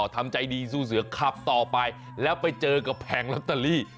ทำใจดีสู้เสือขับต่อไปแล้วไปเจอกับแผงลอตเตอรี่